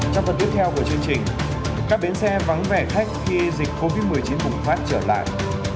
trong phần tiếp theo của chương trình các bến xe vắng vẻ khách khi dịch covid một mươi chín bùng phát trở lại